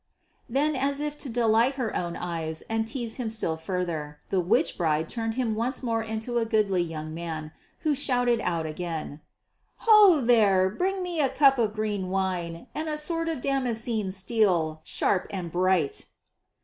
Then as if to delight her own eyes and tease him still further, the witch bride turned him once more into a goodly young man who shouted out again: "Ho, there, bring me a cup of green wine and a sword of damascened steel, sharp and bright."